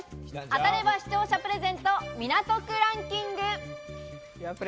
当たれば視聴者プレゼント、港区ランキング。